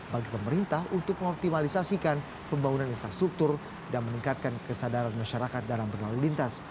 bagi pemerintah untuk mengoptimalisasikan pembangunan infrastruktur dan meningkatkan kesadaran masyarakat dalam berlalu lintas